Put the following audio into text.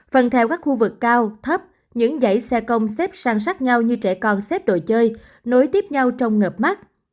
phần theo các khu vực cao thấp những dãy xe công xếp sang sát nhau như trẻ con xếp đồ chơi nối tiếp nhau trong ngợp mắt